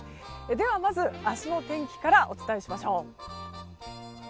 では、まず明日の天気からお伝えしましょう。